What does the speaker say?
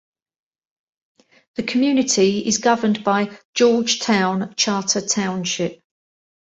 The community is governed by Georgetown Charter Township.